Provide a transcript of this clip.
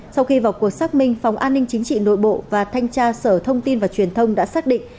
sau khi vào cuộc xác minh phòng an ninh chính trị nội bộ và thanh tra sở thông tin và truyền thông đã xác định